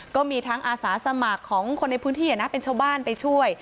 ก็มีทั้งอาสาสมัครของคนในพื้นที่เป็นชาวบ้านไปช่วย